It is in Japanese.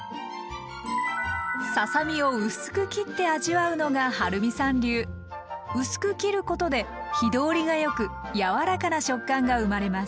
ささ身を薄く切って味わうのがはるみさん流。薄く切ることで火通りがよく柔らかな食感が生まれます。